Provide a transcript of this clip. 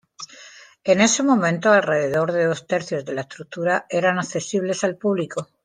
En ese momento, alrededor de dos tercios de la estructura eran accesibles al público.